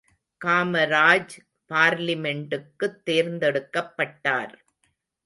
காமராஜ் பார்லிமெண்டுக்குத் தேர்ந்தெடுக்கப்பட்டார்.